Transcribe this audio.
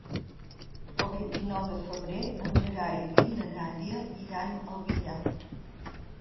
El vint-i-nou de febrer en Gerai i na Nàdia iran al Villar.